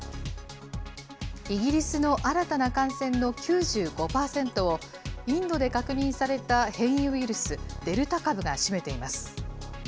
イギリスの新たな感染の９５％を、インドで確認された変異ウイルス、デルタ株が占めています。